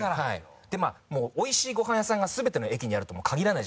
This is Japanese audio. まあおいしいごはん屋さんが全ての駅にあるとも限らないじゃないですか。